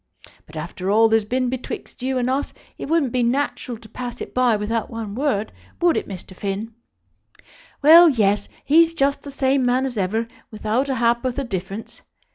But after all there's been betwixt you and us it wouldn't be natural to pass it by without one word; would it, Mr. Finn? Well, yes; he's just the same man as ever, without a ha'porth of difference.